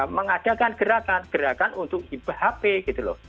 mengadakan gerakan gerakan untuk iphp gitu loh